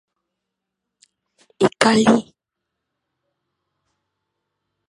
Ekalik.